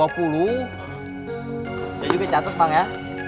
bisa juga catet bang ya